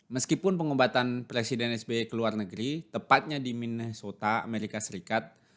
meskipun pengobatan presiden sby ke luar negeri tepatnya di minnesota amerika serikat